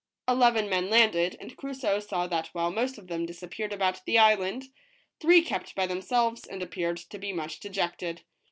Eleven men landed, and Crusoe saw that while most of them dispersed about the island, three kept by themselves and appeared to be much dejected.